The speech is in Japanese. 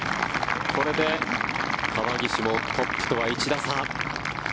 これで川岸もトップとは１打差。